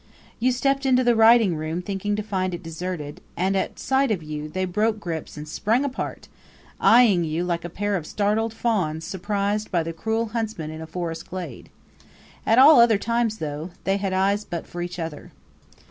You stepped into the writing room thinking to find it deserted, and at sight of you they broke grips and sprang apart, eyeing you like a pair of startled fawns surprised by the cruel huntsman in a forest glade. At all other times, though, they had eyes but for each other.